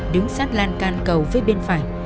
đứng sát lan can cầu phía bên phải